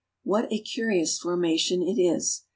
What a curious formation it is